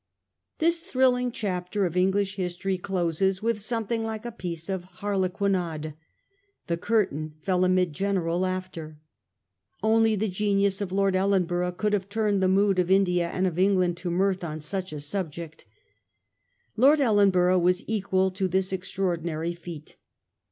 This thrilling chapter of English history closes with something like a piece of harlequinade. The curtain fell amid general laughter. Only the genius of Lord Ellenborough could have turned the mood of India and of England to mirth on such a subject. Lord Ellenborough was equal to this extraordinary feat.